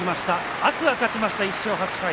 天空海、勝ちました、１勝８敗